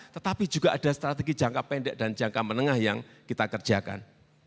tetapi juga ada strategi jangka pendek dan jangka menengah yang kita kerjakan